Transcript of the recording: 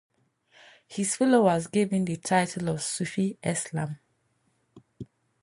His followers gave him the title of Sufi Eslam.